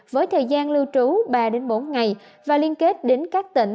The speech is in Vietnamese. với thời gian lưu trú ba bốn ngày và liên kết đến các tỉnh